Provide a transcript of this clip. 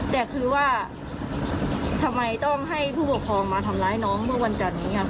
แต่คือว่าทำไมต้องให้ผู้ปกครองมาทำร้ายน้องเมื่อวันจันนี้